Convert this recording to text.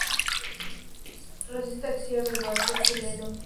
Tras esta acción, el barco chileno paró sus máquinas y se rindió.